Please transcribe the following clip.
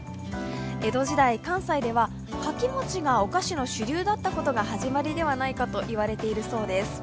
江戸時代、関西ではかき餅がお菓子の主流だったことが始まりではないかといわれているそうです。